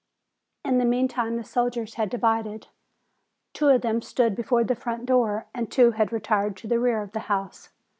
In the meantime the soldiers had divided: two of them stood before the front door and two had retired to the rear of the house.